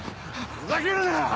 ふざけるな！